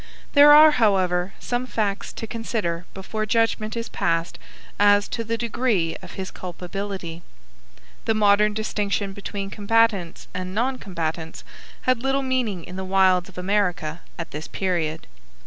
There are, however, some facts to consider before judgment is passed as to the degree of his culpability. The modern distinction between combatants and non combatants had little meaning in the wilds of America at this period.